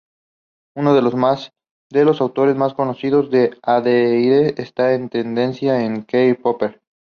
Uno de los autores más conocidos, que adhieren a esta tendencia, es Karl Popper.